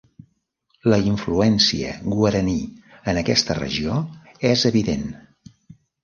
La influència guaraní en aquesta regió és evident.